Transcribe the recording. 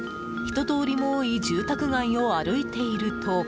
人通りも多い住宅街を歩いていると。